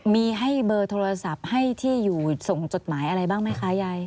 มีให้เบอร์โทรศัพท์ให้ที่อยู่ส่งจดหมายอะไรบ้างไหมคะยาย